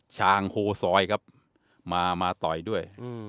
ชางโฮซอยครับมาต่อยด้วย